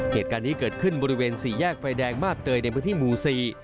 เหตุการณ์นี้เกิดขึ้นบริเวณสี่แยกไฟแดงมาบเตยในพื้นที่หมู่๔